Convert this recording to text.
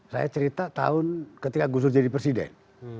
saya cerita tahun ketika gus dur jadi presiden